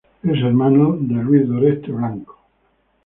Es hermano de Luis Doreste Blanco.